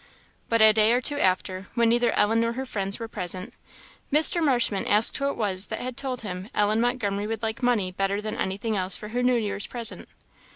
But a day or two after, when neither Ellen nor her friends were present, Mr. Marshman asked who it was that had told him Ellen Montgomery would like money better than anything else for her New Year's present.